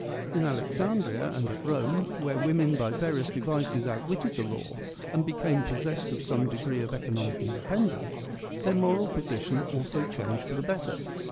In Alexandria and at Rome, where women by various devices outwitted the law and became possessed of some degree of economic independence, their moral position also changed for the better.